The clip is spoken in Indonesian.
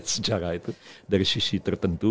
sejarah itu dari sisi tertentu